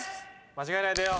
間違えないでよ。